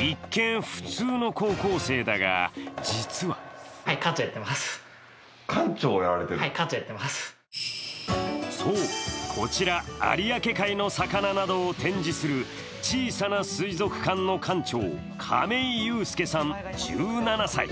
一見、普通の高校生だが、実はそう、こちら、有明海の魚などを展示する小さな水族館の館長、亀井裕介さん１７歳。